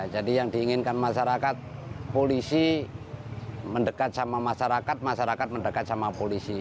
jadi yang diinginkan masyarakat polisi mendekat sama masyarakat masyarakat mendekat sama polisi